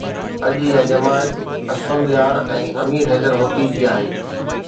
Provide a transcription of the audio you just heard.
اڄ اها جماعت اسفند يار ۽ امير حيدر هوتي جي آهي.